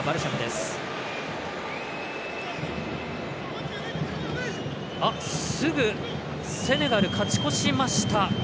すぐセネガル、勝ち越しました。